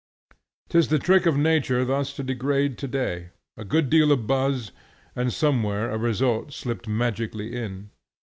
'Tis the trick of nature thus to degrade to day; a good deal of buzz, and somewhere a result slipped magically in.